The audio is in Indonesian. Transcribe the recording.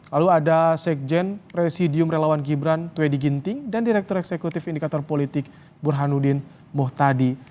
lalu ada sekjen presidium relawan gibran twedi ginting dan direktur eksekutif indikator politik burhanuddin muhtadi